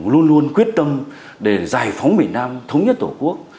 luôn luôn quyết tâm để giải phóng miền nam thống nhất tổ quốc